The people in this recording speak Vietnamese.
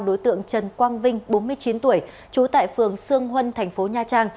đối tượng trần quang vinh bốn mươi chín tuổi trú tại phường sương huân thành phố nha trang